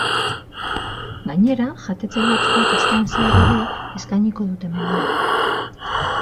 Gainera, jatetxe batzuek astean zehar ere eskainiko dute menua.